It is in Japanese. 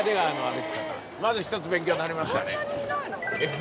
まず１つ勉強になりましたね。